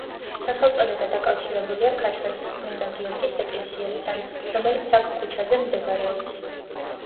სახელწოდება დაკავშირებულია ქაშვეთის წმინდა გიორგის ეკლესიასთან, რომელიც აქ ქუჩაზე მდებარეობს.